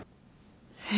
えっ！？